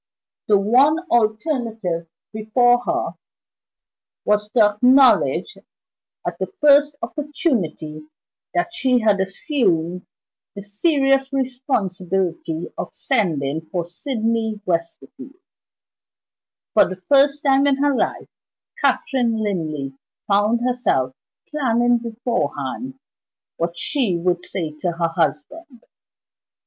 The one alternative before her was to acknowledge at the first opportunity that she had assumed the serious responsibility of sending for Sydney Westerfield. For the first time in her life, Catherine Linley found herself planning beforehand what she would say to her husband.